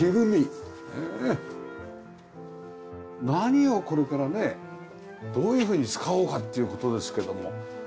何をこれからねどういうふうに使おうかっていう事ですけども。